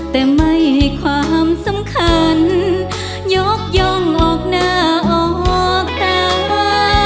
แต่ไม่ให้ความสำคัญยกย่องออกหน้าออกตา